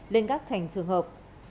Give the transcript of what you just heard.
lên các thành xương hợp